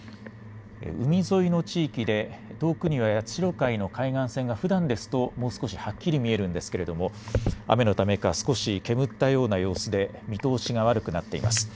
海沿いの地域で遠くには八代海の海岸線がふだんですともう少しはっきり見えるんですけれども、雨のためか少し煙ったような様子で見通しが悪くなっています。